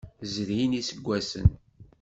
Zrin iseggasen.